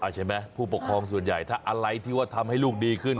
ใช่ไหมผู้ปกครองส่วนใหญ่ถ้าอะไรที่ว่าทำให้ลูกดีขึ้น